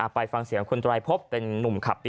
ไปฟังเสียงคุณไตรพบเป็นนุ่มขับรถ